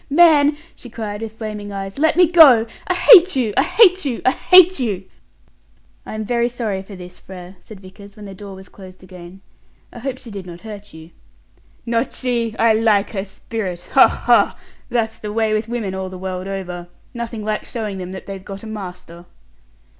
"Man!" she cried, with flaming eyes, "Let me go! I hate you! I hate you! I hate you!" "I am very sorry for this, Frere," said Vickers, when the door was closed again. "I hope she did not hurt you." "Not she! I like her spirit. Ha, ha! That's the way with women all the world over. Nothing like showing them that they've got a master."